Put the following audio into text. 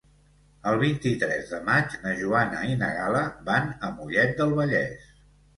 El vint-i-tres de maig na Joana i na Gal·la van a Mollet del Vallès.